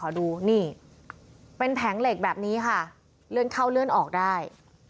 ดูนี่เป็นแผงเหล็กแบบนี้ค่ะเลื่อนเข้าเลื่อนออกได้